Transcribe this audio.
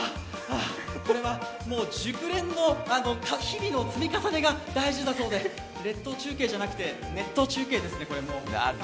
これはもう熟練の、日々の積み重ねが大事だそうで列島中継じゃなくて熱湯中継ですね、これ。